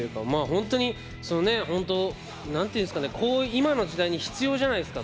本当に、こういう今の時代に必要じゃないですか。